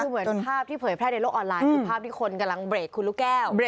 คือเหมือนภาพที่เผยแพร่ในโลกออนไลน์คือภาพที่คนกำลังเบรกคุณลูกแก้ว